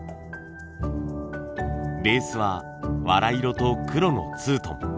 ベースは藁色と黒のツートン。